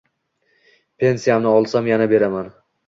Pensiyamni olsam, yana beraman